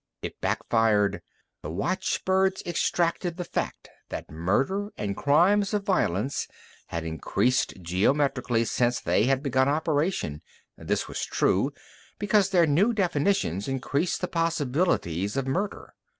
It backfired. The watchbirds extracted the fact that murder and crimes of violence had increased geometrically since they had begun operation. This was true, because their new definitions increased the possibilities of murder.